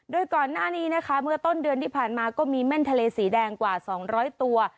โดยก่อนหน้านี้นะคะเมื่อต้นเดือนที่ผ่านมาก็มีแม่นทะเลสีแดงกว่า๒๐๐ตัว